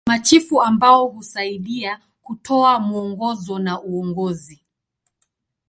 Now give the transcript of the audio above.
Wana machifu ambao husaidia kutoa mwongozo na uongozi.